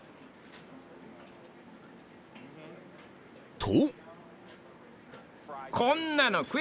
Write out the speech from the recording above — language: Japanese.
［と］